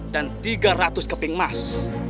dan tiga ratus keping emas